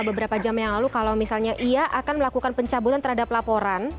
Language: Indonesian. beberapa jam yang lalu kalau misalnya ia akan melakukan pencabutan terhadap laporan